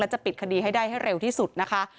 จะปิดคดีให้ได้ให้เร็วที่สุดนะคะ